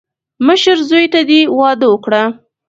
مشر زوی ته دې واده وکړه.